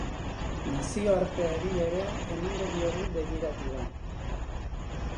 Nazioarteari ere emango diogu begiratua.